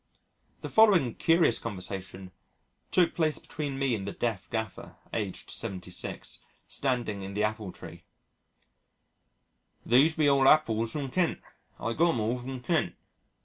The following curious conversation took place between me and the deaf gaffer, aged 76, standing in the apple tree, "These be all appulls from Kent I got 'em all from Kent."